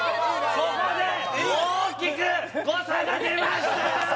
ここで大きく誤差が出ましたー！